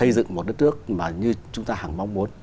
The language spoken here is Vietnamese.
dựng một đất nước mà như chúng ta hẳn mong muốn